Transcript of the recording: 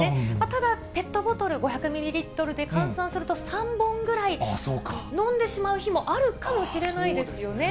ただ、ペットボトル５００ミリリットルで換算すると、３本ぐらい飲んでしまう日もあるかもしれないですよね。